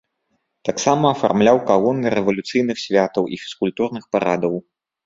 Таксама афармляў калоны рэвалюцыйных святаў і фізкультурных парадаў.